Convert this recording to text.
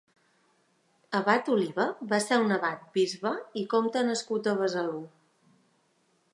abat Oliba va ser un abat, bisbe i comte nascut a Besalú.